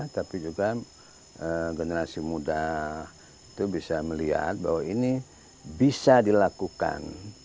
tapi juga generasi muda itu bisa melihat bahwa ini bisa dilakukan